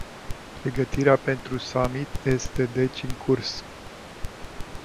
Pregătirea pentru summit este deci în curs.